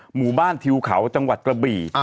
หมู่บ้านทิวเขาจังหวัดกระบี่